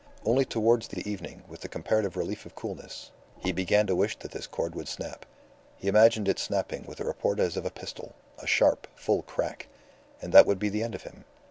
Only towards the evening, in the comparative relief of coolness, he began to wish that this cord would snap. He imagined it snapping with a report as of a pistol a sharp, full crack. And that would be the end of him.